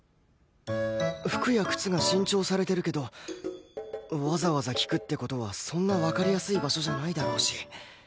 服や靴が新調されてるけどわざわざ聞くって事はそんなわかりやすい場所じゃないだろうし